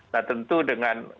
nah tentu dengan